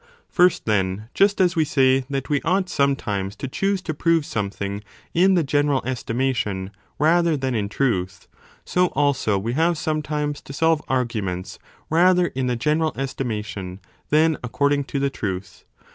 First then, just as we say that we ought sometimes to 17 choose to prove something in the general estimation rather than in truth, so also we have sometimes to solve arguments rather in the general estimation than according to the truth.